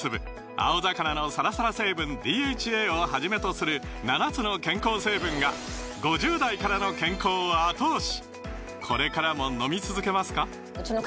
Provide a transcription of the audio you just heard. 青魚のサラサラ成分ＤＨＡをはじめとする７つの健康成分が５０代からの健康を後押し！